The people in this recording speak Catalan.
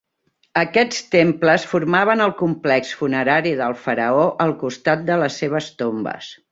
Aquests temples formaven el complex funerari del faraó al costat de les seves tombes.